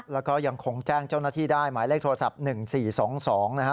แล้วก็ยังคงแจ้งเจ้าหน้าที่ได้หมายเลขโทรศัพท์๑๔๒๒นะฮะ